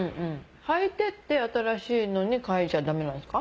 はいてって新しいのに替えるじゃダメなんですか？